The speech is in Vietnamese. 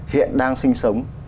hiện đang sinh sống